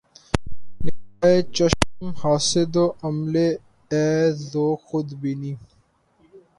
نگاۂ چشم حاسد وام لے اے ذوق خود بینی